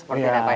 kalau saya gitu